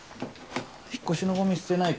引っ越しのごみ捨てないとね。